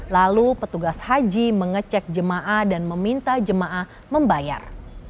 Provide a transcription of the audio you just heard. lalu petugas haji mengecek jemaah dan meminta jemaah membayar